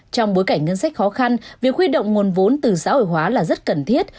trong bối cảnh ngân sách khó khăn việc khuy động nguồn vốn từ xã hội hóa là rất cần thiết